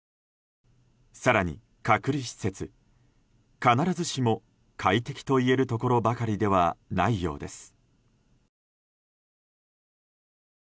更に隔離施設、必ずしも快適といえるところばかりではないようです。